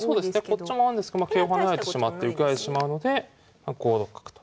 こっちもあるんですけどまあ桂を跳ねられてしまって受けられてしまうので５六角と。